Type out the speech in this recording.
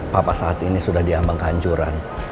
papa saat ini sudah diambang kehancuran